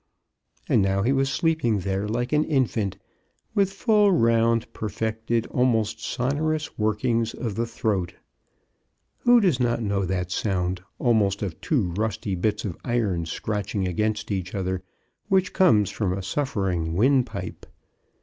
And now he was sleep ing there like an infant, with full, round, per fected, almost sonorous workings of the throat. Who does not know that sound, almost of two rusty bits of iron scratching against each other, which comes from a suffering windpipe